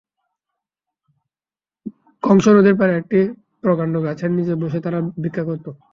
কংস নদীর পাড়ে একটি প্রকাণ্ড গাছের নিচে বসে তারা ভিক্ষা করত।